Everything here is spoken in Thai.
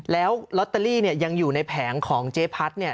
แล้วลอตเตอรี่เนี่ยยังอยู่ในแผงของเจ๊พัดเนี่ย